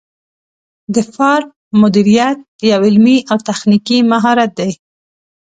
د فارم مدیریت یو علمي او تخنیکي مهارت دی.